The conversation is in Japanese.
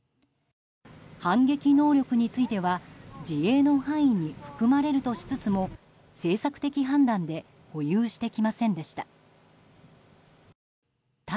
反撃能力については自衛の範囲に含まれるとしつつも政策的判断で保有してきませんでした。